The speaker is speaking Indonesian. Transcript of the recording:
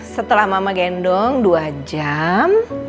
setelah mama gendong dua jam